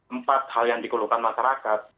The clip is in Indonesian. empat hal yang dikeluhkan masyarakat